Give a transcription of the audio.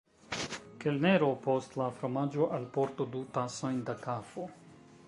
Kelnero, post la fromaĝo alportu du tasojn da kafo.